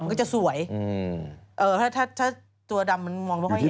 มันก็จะสวยถ้าถ้าตัวดำมันมองไม่ค่อยเห็น